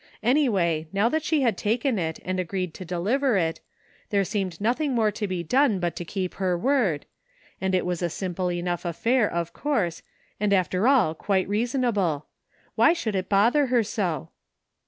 Anyway, now that she had taken it and agreed to deliver it, there seemed nothing more to be done but to keep her word, and it was a simple enough affair, of course, and after all, quite reasonable. Why should it bother her so?